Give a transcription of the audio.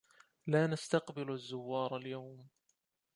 لا نستقبل الزوّار اليوم.